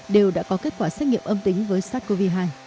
đều đã có kết quả xét nghiệm âm tính với sars cov hai